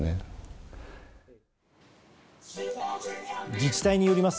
自治体によります